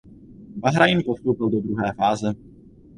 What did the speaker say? Bahrajn postoupil do druhé fáze.